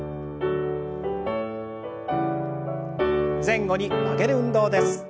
前後に曲げる運動です。